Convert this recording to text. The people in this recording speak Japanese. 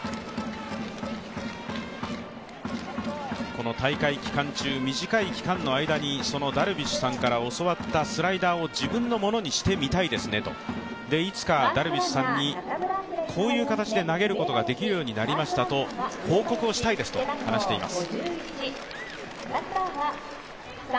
この大会期間中短い期間の間にそのダルビッシュさんから教わったスライダーを自分のものにしたいですねと、いつかダルビッシュさんにこういう形で投げることができるようになりましたと報告をしたいですと話しています。